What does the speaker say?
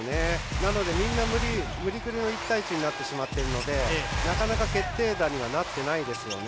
なのでみんな無理くりの１対１になってしまっているのでなかなか決定打にはなってないですよね。